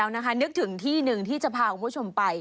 นะคะนึกถึงที่หนึ่งที่จะพาคุณผู้ชมไป